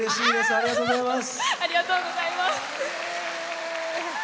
ありがとうございます。